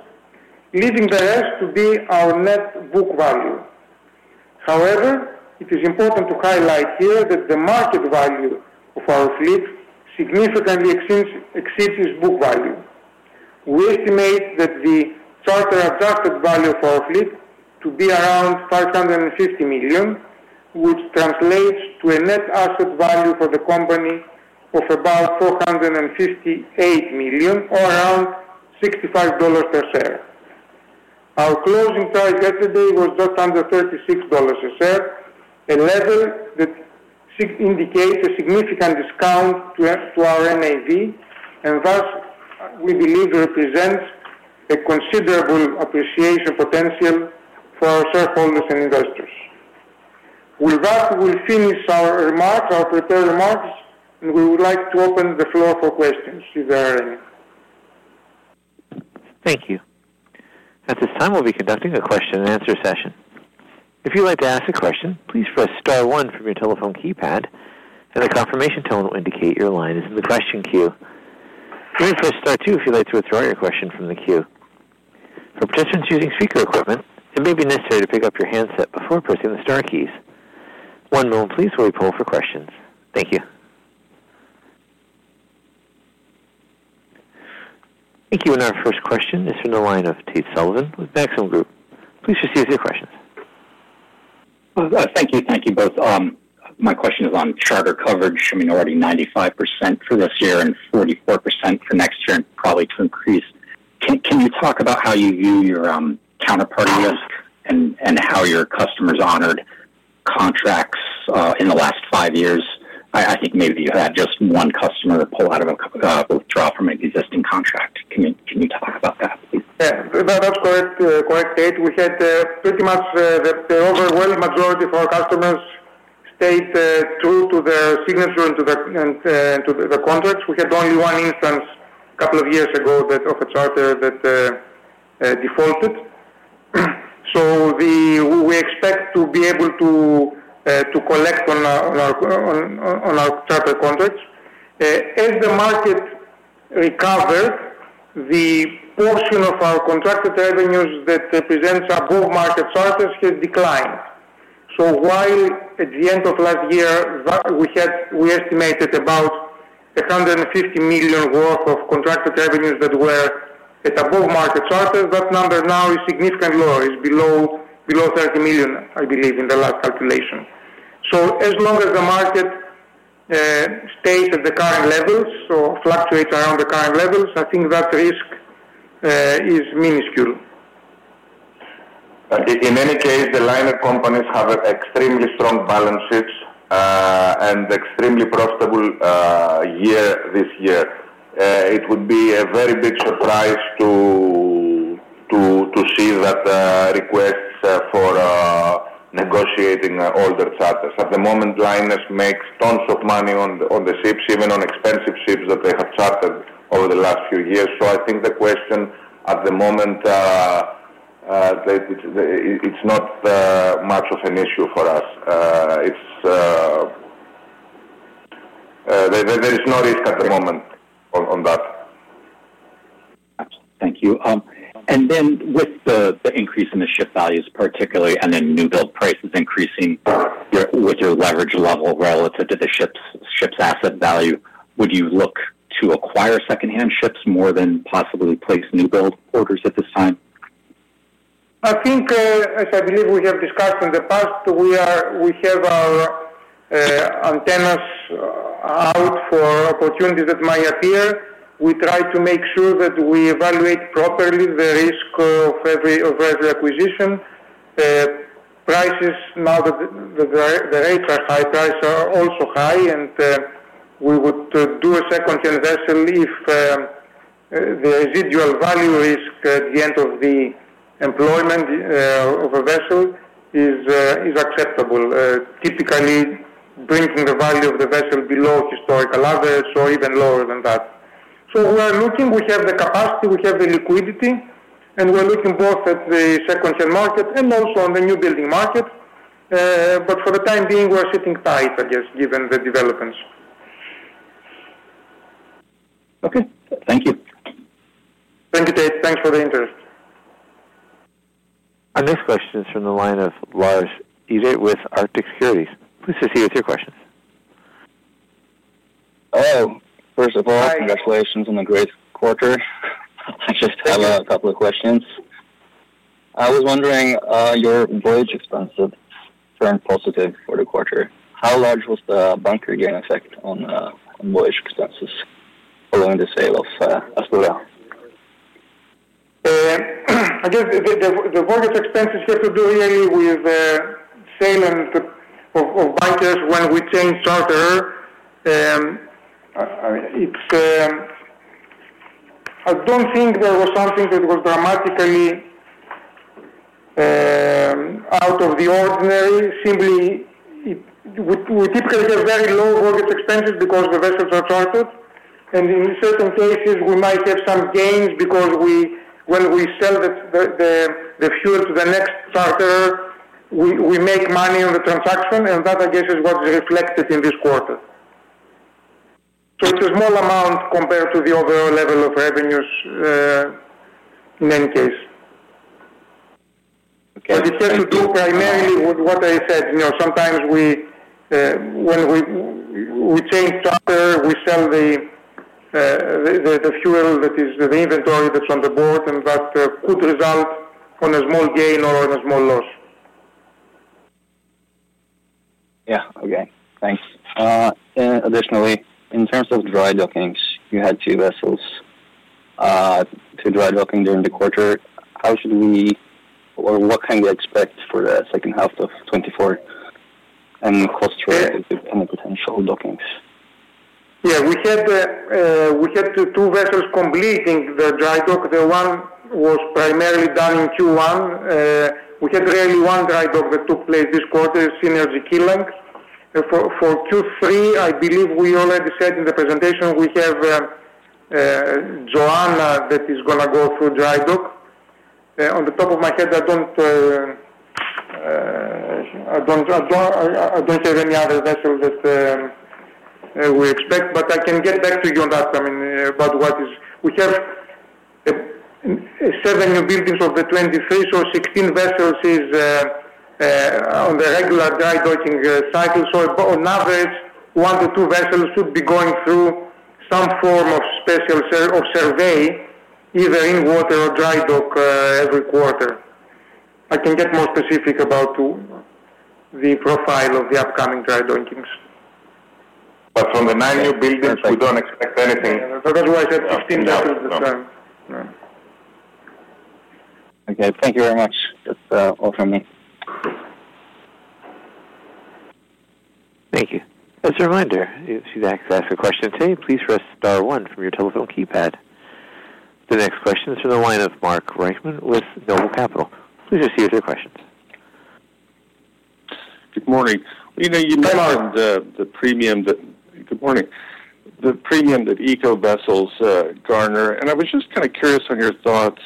leaving the rest to be our net book value. However, it is important to highlight here that the market value of our fleet significantly exceeds its book value. We estimate that the charter adjusted value of our fleet to be around $550 million, which translates to a net asset value for the company of about $458 million, or around $65 per share. Our closing price yesterday was just under $36 a share, a level that indicates a significant discount to our, to our NAV, and thus we believe represents a considerable appreciation potential for our shareholders and investors. With that, we finish our remarks, our prepared remarks, and we would like to open the floor for questions, if there are any.
Thank you. At this time, we'll be conducting a question-and-answer session. If you'd like to ask a question, please press star one from your telephone keypad, and a confirmation tone will indicate your line is in the question queue. Please press star two if you'd like to withdraw your question from the queue. For participants using speaker equipment, it may be necessary to pick up your handset before pressing the star keys. One moment please, while we call for questions. Thank you. Thank you, and our first question is from the line of Tate Sullivan with Maxim Group. Please proceed with your questions.
Thank you. Thank you both. My question is on charter coverage showing already 95% for this year and 44% for next year, and probably to increase. Can you talk about how you view your counterparty risk and how your customers honored contracts in the last five years? I think maybe you had just one customer pull out of a withdraw from an existing contract. Can you talk about that, please?
Yeah, that, that's correct, correct, Tate. We had pretty much the overwhelming majority of our customers stayed true to their signature and to the contracts. We had only one instance, a couple of years ago, that of a charter that defaulted. We expect to be able to collect on our charter contracts. As the market recovered, the portion of our contracted revenues that represents above-market charters has declined. So while at the end of last year, we estimated about $150 million worth of contracted revenues that were at above-market charters, that number now is significantly lower. It's below $30 million, I believe, in the last calculation. So as long as the market stays at the current levels or fluctuates around the current levels, I think that risk is minuscule.
In any case, the liner companies have extremely strong balance sheets and extremely profitable year, this year. It would be a very big surprise to see that requests for negotiating older charters. At the moment, liners make tons of money on the ships, even on expensive ships that they have chartered over the last few years. So I think the question, at the moment, that it's not much of an issue for us. There is no risk at the moment on that.
Thank you. And then with the increase in the ship values particularly, and then newbuild prices increasing, with your leverage level relative to the ship's asset value, would you look to acquire secondhand ships more than possibly place newbuild orders at this time?
I think, as I believe we have discussed in the past, we have our antennas out for opportunities that might appear. We try to make sure that we evaluate properly the risk of every acquisition. Prices now that the rates are high, prices are also high, and we would do a secondhand vessel if the residual value risk at the end of the employment of a vessel is acceptable. Typically bringing the value of the vessel below historical average or even lower than that. So we are looking. We have the capacity, we have the liquidity, and we are looking both at the secondhand market and also on the newbuilding market. But for the time being, we are sitting tight, I guess, given the developments.
Okay. Thank you.
Thank you, Tate. Thanks for the interest.
Our next question is from the line of Lars Moen Eide with Arctic Securities. Please proceed with your questions.
Oh, first of all-
Hi.
Congratulations on the great quarter.
Thank you.
I just have a couple of questions. I was wondering, your voyage expenses turned positive for the quarter. How large was the bunker gain effect on voyage expenses following the sale of Astoria?
I guess the voyage expenses have to do really with sale of bunkers when we change charter. I don't think there was something that was dramatically out of the ordinary. Simply, we typically have very low voyage expenses because the vessels are chartered, and in certain cases, we might have some gains because when we sell the fuel to the next charterer, we make money on the transaction, and that, I guess, is what is reflected in this quarter. So it's a small amount compared to the overall level of revenues in any case.
Okay.
But it has to do primarily with what I said. You know, sometimes we, when we change charter, we sell the fuel that is the inventory that's on board, and that could result in a small gain or a small loss.
Yeah. Okay. Thanks. Additionally, in terms of dry dockings, you had two vessels to dry docking during the quarter. How should we or what can we expect for the second half of 2024?... and costs related to any potential dockings?
Yeah, we had two vessels completing the dry dock. The one was primarily done in Q1. We had really one dry dock that took place this quarter, Synergy Keelung. For Q3, I believe we already said in the presentation, we have Joanna that is going to go through dry dock. On the top of my head, I don't have any other vessels that we expect, but I can get back to you on that. I mean, about what is...? We have seven newbuildings of the 23, so 16 vessels is on the regular dry docking cycle. So on average, 1-2 vessels should be going through some form of special survey, either in water or dry dock, every quarter. I can get more specific about the profile of the upcoming dry dockings.
From the nine newbuildings, we don't expect anything?
That's why I said 16 vessels this time.
No. Okay, thank you very much. That's all from me.
Thank you. As a reminder, if you'd like to ask a question today, please press star one from your telephone keypad. The next question is from the line of Mark Reichman with Noble Capital. Please issue your questions.
Good morning. You know, you mentioned the premium that eco vessels garner, and I was just kind of curious on your thoughts.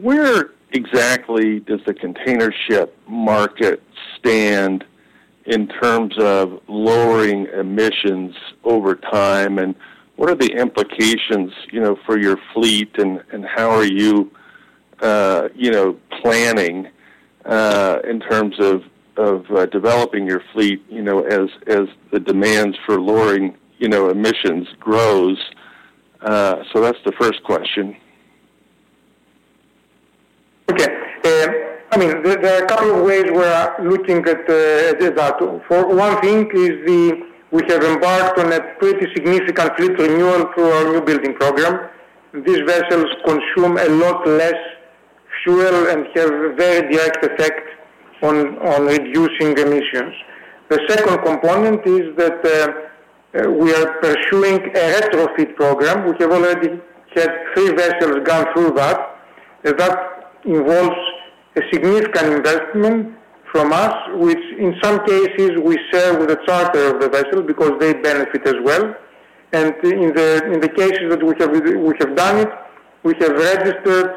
Where exactly does the container ship market stand in terms of lowering emissions over time, and what are the implications, you know, for your fleet, and how are you planning in terms of developing your fleet, you know, as the demands for lowering emissions grows? So that's the first question.
Okay. I mean, there are a couple of ways we are looking at that. For one thing is the, we have embarked on a pretty significant fleet renewal through our newbuilding program. These vessels consume a lot less fuel and have a very direct effect on, on reducing emissions. The second component is that we are pursuing a retrofit program. We have already had three vessels gone through that, and that involves a significant investment from us, which in some cases we share with the charter of the vessel because they benefit as well. And in the cases that we have, we have done it, we have registered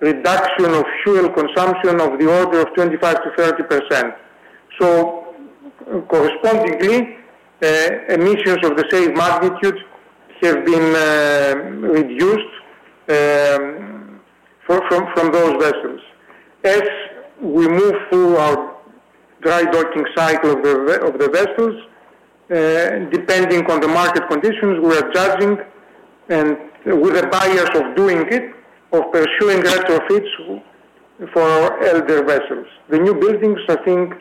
reduction of fuel consumption of the order of 25%-30%. So correspondingly, emissions of the same magnitude have been reduced from those vessels. As we move through our dry docking cycle of the vessels, depending on the market conditions, we are judging and with the buyers of doing it, of pursuing retrofits for our elder vessels. The newbuildings, I think,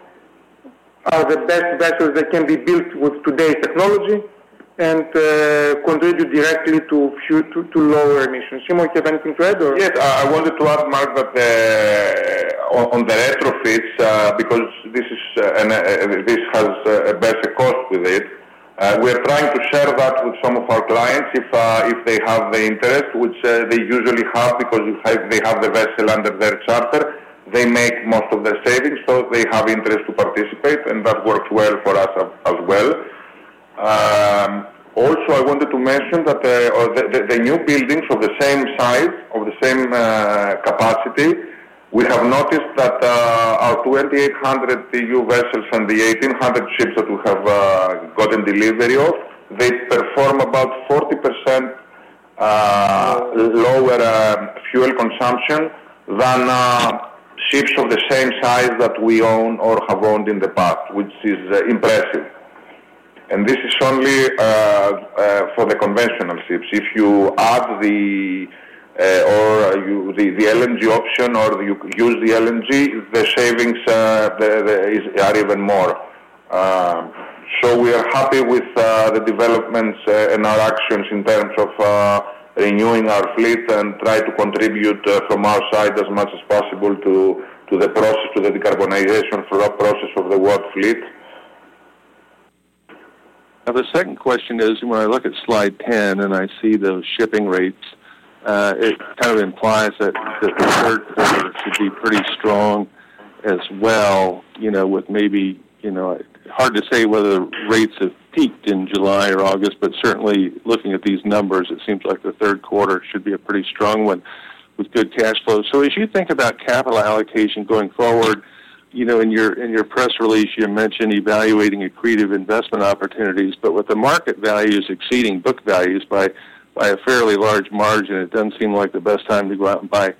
are the best vessels that can be built with today's technology and, contribute directly to lower emissions. Symeon, you have anything to add or?
Yes, I wanted to add, Mark, that on the retrofits, because this is and this has a better cost with it, we are trying to share that with some of our clients, if they have the interest, which they usually have, because they have the vessel under their charter. They make most of their savings, so they have interest to participate, and that works well for us as well. Also, I wanted to mention that the newbuildings of the same size, of the same capacity, we have noticed that our 2,800 TEU vessels and the 1,800 ships that we have gotten delivery of, they perform about 40% lower fuel consumption than ships of the same size that we own or have owned in the past, which is impressive. And this is only for the conventional ships. If you add the LNG option or you use the LNG, the savings are even more. So we are happy with the developments and our actions in terms of renewing our fleet and try to contribute from our side as much as possible to the process, to the decarbonization through that process of the world fleet.
Now, the second question is, when I look at Slide 10 and I see those shipping rates, it kind of implies that the third quarter should be pretty strong as well, you know, with maybe, you know, hard to say whether the rates have peaked in July or August, but certainly looking at these numbers, it seems like the third quarter should be a pretty strong one with good cash flow. So as you think about capital allocation going forward, you know, in your, in your press release, you mentioned evaluating accretive investment opportunities, but with the market values exceeding book values by, by a fairly large margin, it doesn't seem like the best time to go out and buy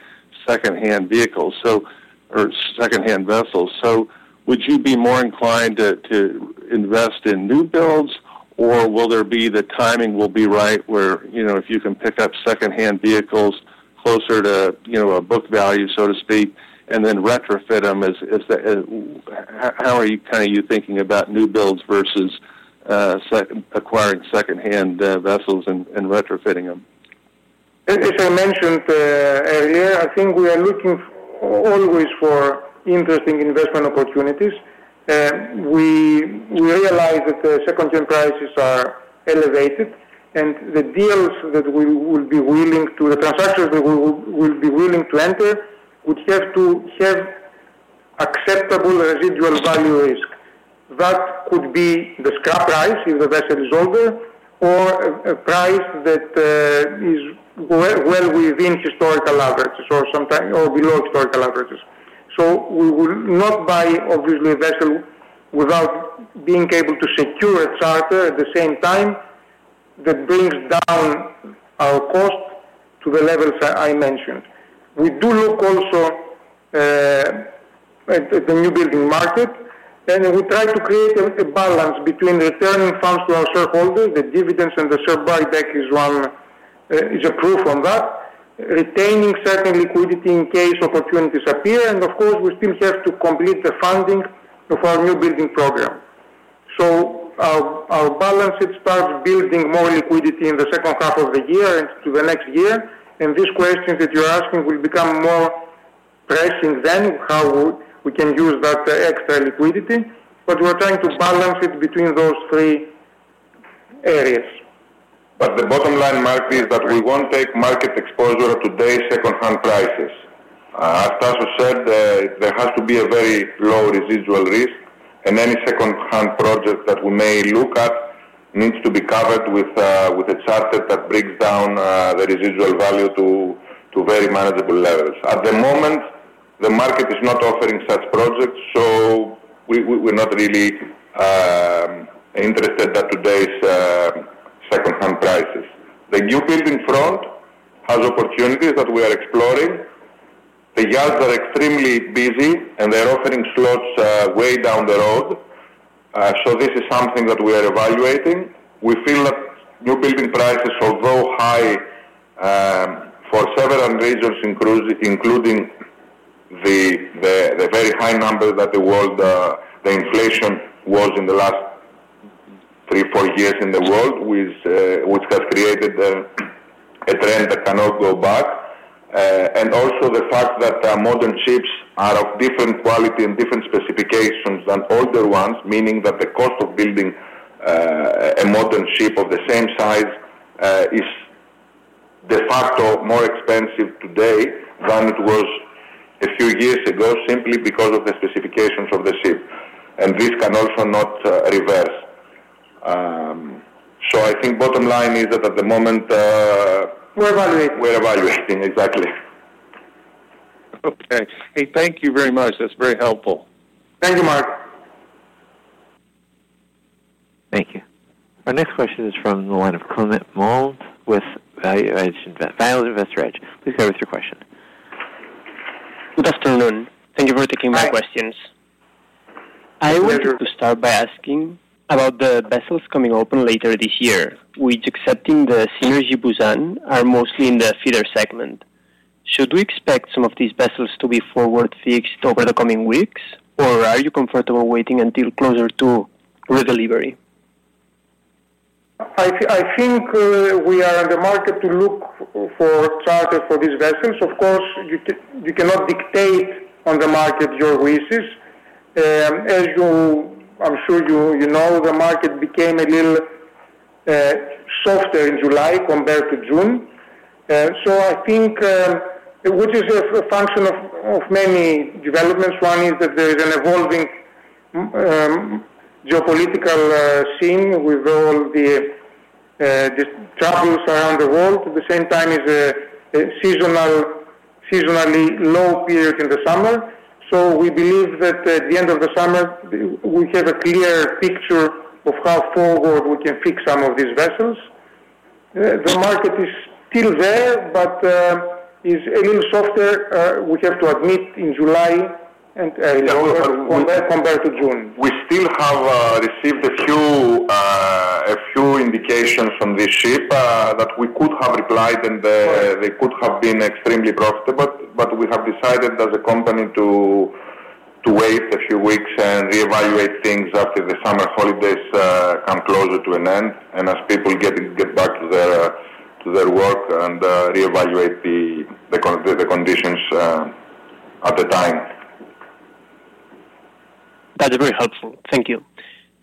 second-hand vehicles so, or second-hand vessels. So would you be more inclined to invest in new builds, or will the timing be right where, you know, if you can pick up second-hand vessels closer to, you know, a book value, so to speak, and then retrofit them as the... How are you thinking about new builds versus acquiring second-hand vessels and retrofitting them?
...As, as I mentioned, earlier, I think we are looking always for interesting investment opportunities. We realize that the second-hand prices are elevated, and the deals that we would be willing to—the transactions that we would be willing to enter would have to have acceptable residual value risk. That could be the scrap price, if the vessel is older, or a price that is well within historical averages or sometimes or below historical averages. So we would not buy, obviously, a vessel without being able to secure a charter at the same time, that brings down our cost to the levels that I mentioned. We do look also at the newbuilding market, and we try to create a balance between returning funds to our shareholders, the dividends and the share buyback is one, is a proof on that. Retaining certain liquidity in case opportunities appear, and of course, we still have to complete the funding of our newbuilding program. So our balance sheet starts building more liquidity in the second half of the year and to the next year. And this question that you're asking will become more pressing then, how we can use that extra liquidity, but we're trying to balance it between those three areas.
But the bottom line, Mark, is that we won't take market exposure to today's second-hand prices. As Tasos said, there has to be a very low residual risk, and any second-hand project that we may look at needs to be covered with a charter that brings down the residual value to very manageable levels. At the moment, the market is not offering such projects, so we, we're not really interested at today's second-hand prices. The newbuilding front has opportunities that we are exploring. The yards are extremely busy, and they're offering slots way down the road, so this is something that we are evaluating. We feel that newbuilding prices, although high, for several reasons, including the very high number that the world the inflation was in the last 3, 4 years in the world, which has created a trend that cannot go back. And also the fact that modern ships are of different quality and different specifications than older ones, meaning that the cost of building a modern ship of the same size is de facto more expensive today than it was a few years ago, simply because of the specifications of the ship. And this can also not reverse. So I think bottom line is that at the moment,
We're evaluating.
We're evaluating, exactly.
Okay. Hey, thank you very much. That's very helpful.
Thank you, Mark.
Thank you. Our next question is from the line of Climent Molins with Value Investor's Edge. Please go with your question.
Good afternoon. Thank you for taking my questions.
Hi.
I wanted to start by asking about the vessels coming open later this year, which, excepting the Synergy Busan, are mostly in the feeder segment. Should we expect some of these vessels to be forward fixed over the coming weeks, or are you comfortable waiting until closer to redelivery?
I think, we are in the market to look for charter for these vessels. Of course, you cannot dictate on the market your wishes. As you... I'm sure you, you know, the market became a little, softer in July compared to June. So I think, which is a function of many developments. One is that there is an evolving, geopolitical scene with all the, the troubles around the world. At the same time, is a seasonally low period in the summer. So we believe that at the end of the summer, we have a clearer picture of how forward we can fix some of these vessels. The market is still there, but, is a little softer, we have to admit, in July and, compared to June.
We still have received a few indications from this ship that we could have replied, and they could have been extremely profitable. But we have decided as a company to wait a few weeks and reevaluate things after the summer holidays come closer to an end, and as people get back to their work and reevaluate the conditions at the time.
That is very helpful. Thank you.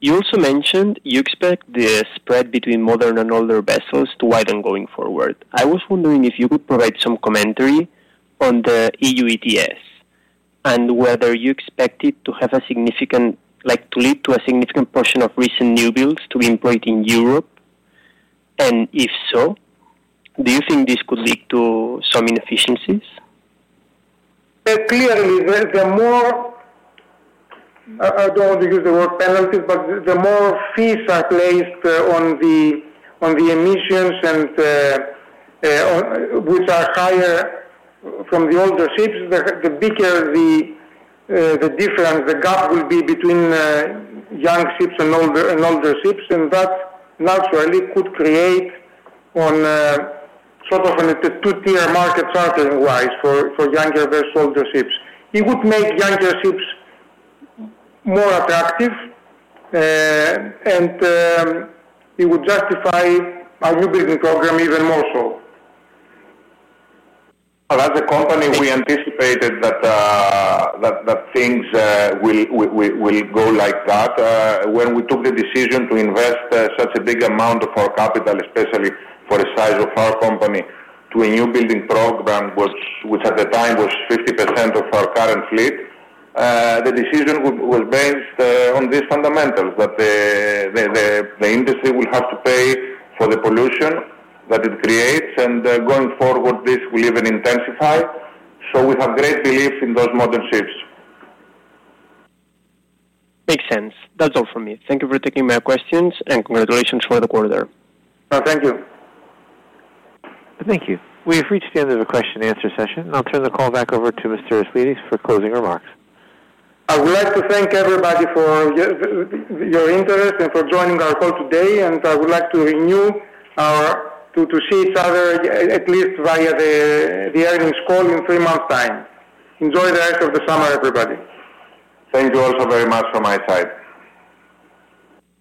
You also mentioned you expect the spread between modern and older vessels to widen going forward. I was wondering if you could provide some commentary on the EU ETS, and whether you expect it to have a significant, like, to lead to a significant portion of recent new builds to be employed in Europe. If so, do you think this could lead to some inefficiencies?
Clearly, the more... I don't want to use the word penalties, but the more fees are placed on the emissions and, which are higher from the older ships, the bigger the difference, the gap will be between young ships and older ships. And that, naturally, could create sort of a two-tier market, charter-wise, for younger versus older ships. It would make younger ships more attractive, and it would justify our newbuilding program even more so.
But as a company, we anticipated that things will go like that. When we took the decision to invest such a big amount of our capital, especially for the size of our company, to a newbuilding program, which at the time was 50% of our current fleet, the decision was based on these fundamentals, that the industry will have to pay for the pollution that it creates, and going forward, this will even intensify. So we have great belief in those modern ships.
Makes sense. That's all for me. Thank you for taking my questions, and congratulations for the quarter.
Thank you.
Thank you. We have reached the end of the question and answer session, and I'll turn the call back over to Mr. Aslidis for closing remarks.
I would like to thank everybody for your interest and for joining our call today, and I would like to renew our, to see each other, at least via the earnings call in three months' time. Enjoy the rest of the summer, everybody.
Thank you also very much from my side.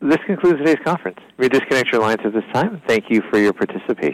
This concludes today's conference. You may disconnect your lines at this time. Thank you for your participation.